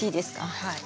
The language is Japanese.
はい。